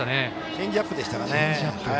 チェンジアップでしたかね。